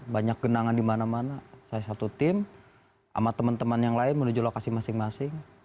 banyak genangan di mana mana saya satu tim sama teman teman yang lain menuju lokasi masing masing